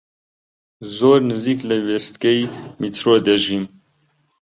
زۆر نزیک لە وێستگەی میترۆ دەژیم.